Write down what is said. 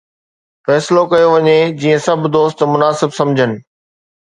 فيصلو ڪيو وڃي جيئن سڀ دوست مناسب سمجهن